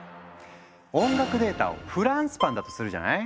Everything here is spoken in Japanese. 音楽データをフランスパンだとするじゃない？